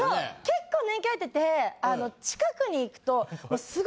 結構年季入ってて近くに行くと。